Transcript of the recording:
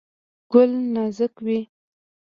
ګل نازک وي.